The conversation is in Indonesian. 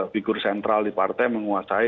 figur sentral di partai menguasai